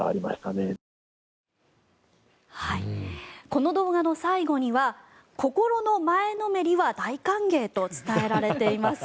この動画の最後には心の前のめりは大歓迎と伝えられています。